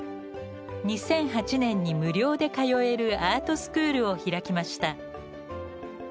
２００８年に無料で通えるアートスクールを開きました。